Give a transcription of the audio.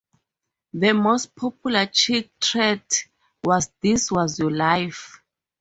The most popular Chick tract was "This Was Your Life!".